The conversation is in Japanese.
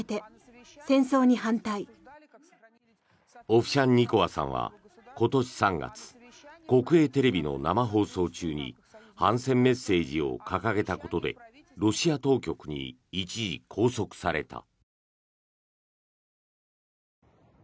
オフシャンニコワさんは今年３月国営テレビの生放送中に反戦メッセージを掲げたことでロシア当局に一時、拘束された。